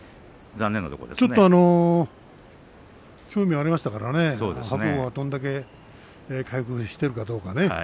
ちょっと興味がありましたからね白鵬はどれだけ回復してるかどうかね。